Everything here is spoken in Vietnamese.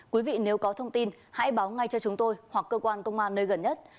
quý vị nếu có thông tin hãy báo ngay cho chúng tôi hoặc cơ quan công an nơi gần nhất